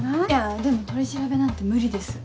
でも取り調べなんて無理です。